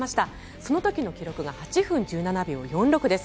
その時の記録が８分１７秒４６です。